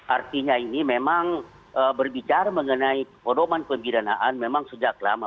artinya ini memang berbicara mengenai pedoman pembidanaan memang sejak lama